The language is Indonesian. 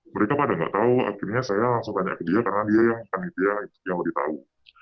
mereka pada nggak tahu akhirnya saya langsung tanya ke dia karena dia yang panitia yang lebih tahu